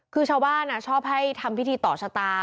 คือชาวบ้านชอบให้ทำพิธีต่อชะตา